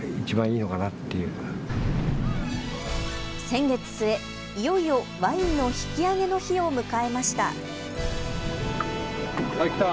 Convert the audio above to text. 先月末、いよいよワインの引き上げの日を迎えました。